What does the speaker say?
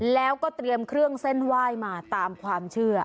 แล้วก็เตรียมเครื่องเส้นไหว้มาตามความเชื่อ